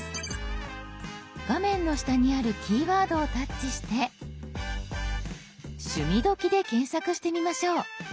画面の下にある「キーワード」をタッチして「趣味どき」で検索してみましょう。